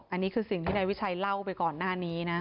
อันนี้คือสิ่งที่นายวิชัยเล่าไปก่อนหน้านี้นะ